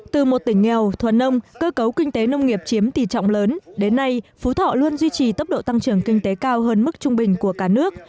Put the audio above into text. từ một tỉnh nghèo thuần nông cơ cấu kinh tế nông nghiệp chiếm tỷ trọng lớn đến nay phú thọ luôn duy trì tốc độ tăng trưởng kinh tế cao hơn mức trung bình của cả nước